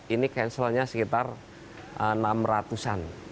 ini cancelnya sekitar enam ratus an